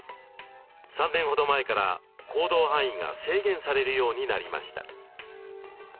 ３年ほど前から行動範囲が制限されるようになりました。